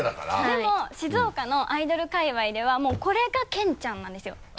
でも静岡のアイドル界わいではもうこれが健ちゃんなんですよ。